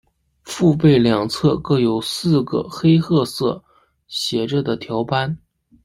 腹背两侧各有四个黑褐色斜着的条斑。